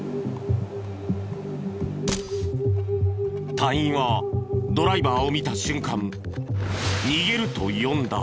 隊員はドライバーを見た瞬間逃げると読んだ。